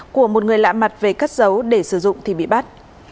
của một người lạ mặt về cất dấu để sử dụng thì bị bắt